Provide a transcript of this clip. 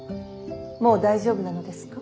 もう大丈夫なのですか。